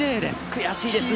悔しいですね。